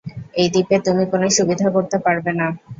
এই দ্বীপে তুমি কোনো সুবিধা করতে পারবে না।